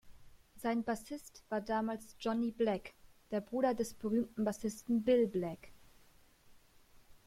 Sein Bassist war damals Johnny Black, der Bruder des berühmten Bassisten Bill Black.